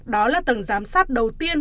đó là tầng giám sát đầu tiên